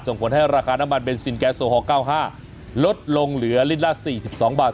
ส่งผลให้ราคาน้ำบันเบนซินแก๊สโซฮอร์เก้าห้าลดลงเหลือลิตรละสี่สิบสองบาท